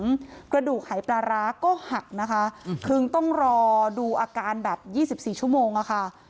กระดูกหายปลาร้าก็หักนะคะคือต้องรอดูอาการแบบ๒๔ชั่วโมงอะค่ะ